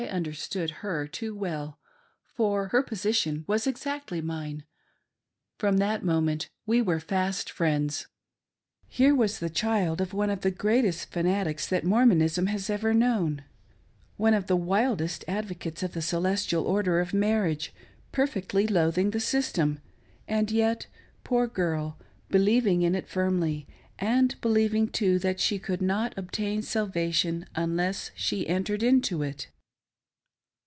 understood her too well, for BRIGHAM young's PROTEOB^'. 4II her position was exactly mine ;— f rem that moment we were fast friends. Here was the child of one of the greatest fanatics that Mormonism has ever known, one of the wildest advocates of the " Celestial Order of Marriage/' perfectly loathing the sys tem ; and yet, poor girl, believing it firmly, and believing too tliat she could not obtain salvation unless she entered into it.